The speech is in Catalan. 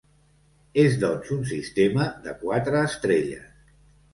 És doncs un sistema de quatre estrelles.